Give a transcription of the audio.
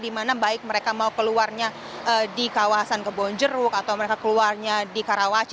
di mana baik mereka mau keluarnya di kawasan kebonjeruk atau mereka keluarnya di karawaci